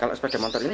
kalau sepeda motor ini